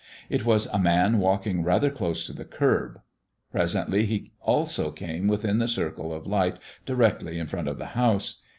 It was a man walking rather close to the curb. Presently he also came within the circle of light directly in front of the house.